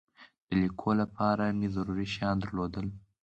د لیکلو لپاره مې ضروري شیان درلودل.